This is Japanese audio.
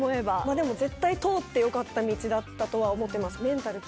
でも絶対通ってよかった道だったとは思ってます。